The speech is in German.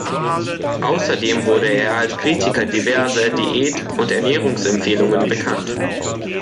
Außerdem wurde er als Kritiker diverser Diät- und Ernährungsempfehlungen bekannt.